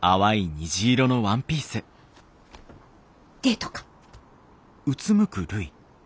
デートか？